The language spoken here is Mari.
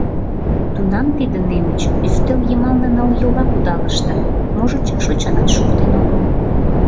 Тунам тиде немыч ӱстел йымалне нылйола кудалыштын, можыч, шочынат шуктен огыл.